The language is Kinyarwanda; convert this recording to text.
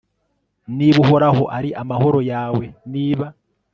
r/ niba uhoraho ari amahoro yawe, niba